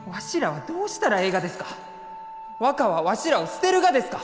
若はわしらを捨てるがですか？